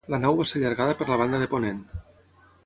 La nau va ser allargada per la banda de ponent.